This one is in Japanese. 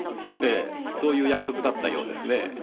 ええそういう約束だったようですね。